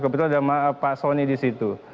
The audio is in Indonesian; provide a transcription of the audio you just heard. kebetulan ada pak soni di situ